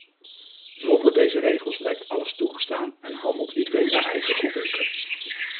Zonder deze regels lijkt alles toegestaan en handelt iedereen naar eigen goeddunken.